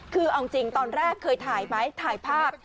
คือเอาจริงตอนแรกเคยถ่ายไหมถ่ายภาพ